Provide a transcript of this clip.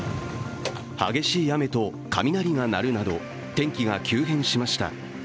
激しい雨と雷が鳴るなど、天気が急変しました。